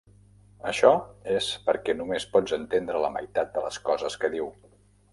Això és perquè només pots entendre la meitat de les coses que diu.